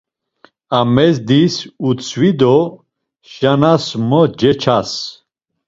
Amedis utzvi do Şanas mo ceças.